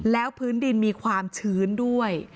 แล้วพื้นดินมีความชื้นด้วย